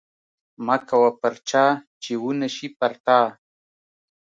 مه کوه پر چا چې ونشي پر تا